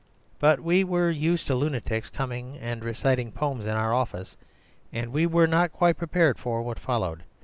But we were used to lunatics coming and reciting poems in our office, and we were not quite prepared for what followed.